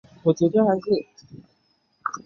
改进的耒有两个尖头或有省力曲柄。